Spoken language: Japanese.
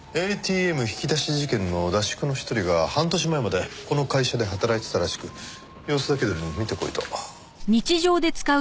ＡＴＭ引き出し事件の出し子の一人が半年前までこの会社で働いていたらしく様子だけでも見てこいと。